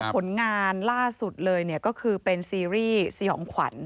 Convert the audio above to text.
ผลงานล่าสุดเลยก็คือเป็นซีรีส์สยองขวัญ